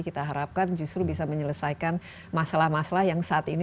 kita harapkan justru bisa menyelesaikan masalah masalah yang saat ini